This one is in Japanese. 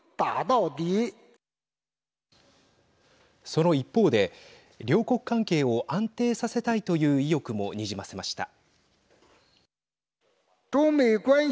その一方で両国関係を安定させたいという意欲も、にじませました。